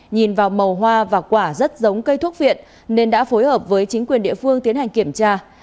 nhìn vào màu hoa và quả rất giống cây thuốc viện nên đã phối hợp với chính quyền địa phương tiến hành kiểm tra